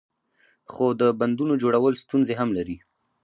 خو د بندونو جوړول ستونزې هم لري.